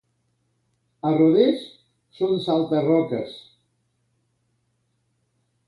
A Rodès són salta-roques.